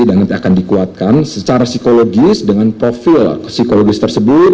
dan nanti akan dikuatkan secara psikologis dengan profil psikologis tersebut